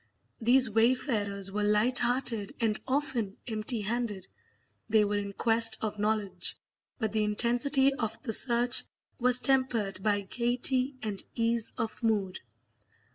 These wayfarers were light hearted and often empty handed; they were in quest of knowledge, but the intensity of the search was tempered by gaiety and ease of mood.